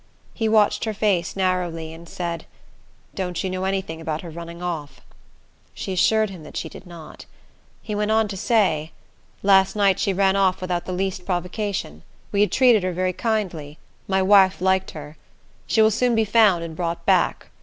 He watched her face narrowly, and said, "Don't you know any thing about her running off?" She assured him that she did not. He went on to say, "Last night she ran off without the least provocation. We had treated her very kindly. My wife liked her. She will soon be found and brought back.